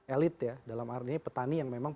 elit ya dalam arti ini petani yang memang